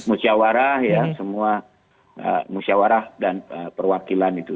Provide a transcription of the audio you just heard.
musyawarah ya semua musyawarah dan perwakilan itu